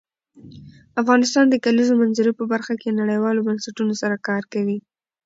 افغانستان د د کلیزو منظره په برخه کې نړیوالو بنسټونو سره کار کوي.